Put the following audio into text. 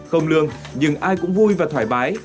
không lường nhưng ai cũng vui và thoải mái